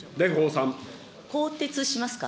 更迭しますか。